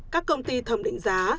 các công ty thẩm định giá